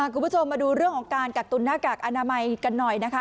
คุณผู้ชมมาดูเรื่องของการกักตุนหน้ากากอนามัยกันหน่อยนะคะ